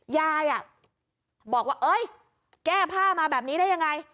ยายบอกว่าเอ้ยแก้ผ้ามาแบบนี้ได้ยังไง